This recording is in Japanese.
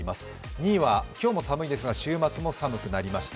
２位は今日も寒いですが、週末も寒くなりました。